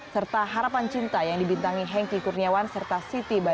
serta harapan cinta yang dibintangi henki kurniawan serta siti babak